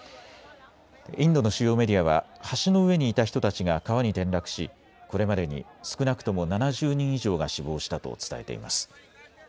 インドの主要メディアは橋の上にいた人たちが川に転落しこれまでに少なくとも７０人以上が死亡したと伝えています。